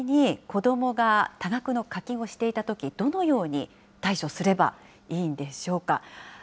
では、実際に子どもが多額の課金をしていたとき、どのように対処すればいいんでしょうか。